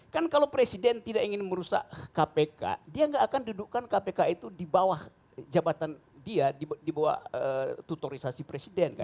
kan kalau presiden tidak ingin merusak kpk dia nggak akan dudukkan kpk itu di bawah jabatan dia di bawah tutorisasi presiden